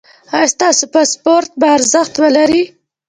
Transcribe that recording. ایا ستاسو پاسپورت به ارزښت ولري؟